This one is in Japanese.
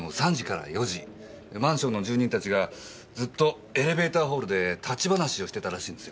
マンションの住人たちがずっとエレベーターホールで立ち話をしてたらしいんですよ。